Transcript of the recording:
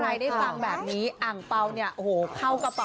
ได้ฟังแบบนี้อ่างเปล่าเนี่ยโอ้โหเข้ากระเป๋า